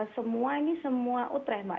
semua ini semua utre mbak